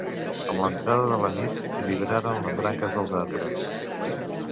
Amb la entrada de la nit vibraven les branques dels arbres